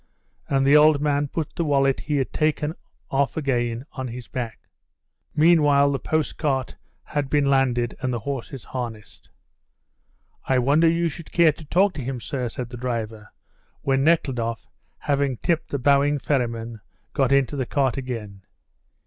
And the old man put the wallet he had taken off again on his back. Meanwhile, the post cart had been landed and the horses harnessed. "I wonder you should care to talk to him, sir," said the driver, when Nekhludoff, having tipped the bowing ferryman, got into the cart again.